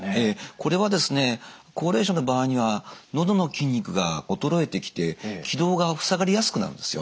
これはですね高齢者の場合にはのどの筋肉が衰えてきて気道がふさがりやすくなるんですよ。